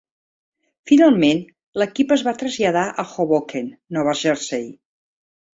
Finalment, l'equip es va traslladar a Hoboken, Nova Jersey.